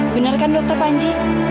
bener kan dokter panji